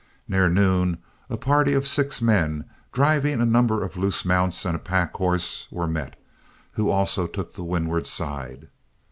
Near noon a party of six men, driving a number of loose mounts and a pack horse, were met, who also took the windward side.